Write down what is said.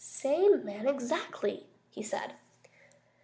"Same man exactly," he said.